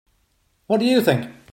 Who do you think?